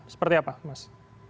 seperti apa mas